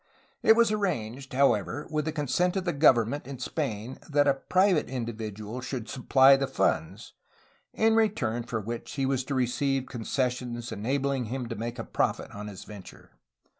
It was ar ranged, however, with the consent of the government in Spain, that a private individual should supply the funds, in return for which he was to receive concessions enabling him to make a profit on his venture.